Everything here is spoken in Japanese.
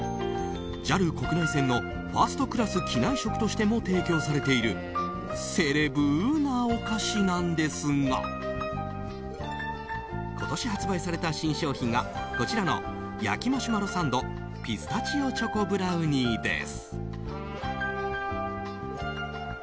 ＪＡＬ国内線のファーストクラス機内食としても提供されているセレブなお菓子なんですが今年発売された新商品がこちらの焼マシュマロサンド・ピスタチオチョコブラウニーです。